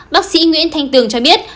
bác sĩ nguyễn thanh trường cho biết